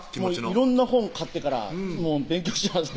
色んな本買ってから勉強してます